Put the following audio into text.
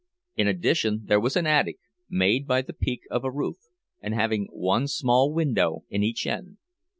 In addition there was an attic, made by the peak of the roof, and having one small window in each end.